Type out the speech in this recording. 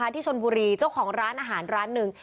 ที่ชนบุรีเจ้าของร้านอาหารร้านหนึ่ง